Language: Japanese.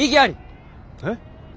えっ？